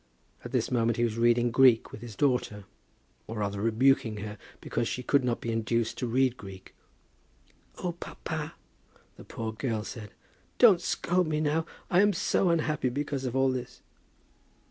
At this moment he was reading Greek with his daughter, or rather rebuking her because she could not be induced to read Greek. "Oh, papa," the poor girl said, "don't scold me now. I am so unhappy because of all this."